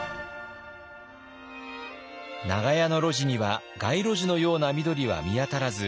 長屋の路地には街路樹のような緑は見当たらず